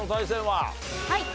はい。